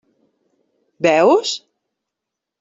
Veus?